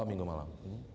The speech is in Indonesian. oh minggu malam